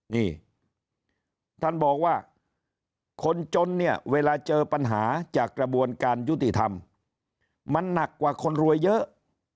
นี่ท่านบอกว่าคนจนเนี่ยเวลาเจอปัญหาจากกระบวนการยุติธรรมมันหนักกว่าคนรวยเยอะ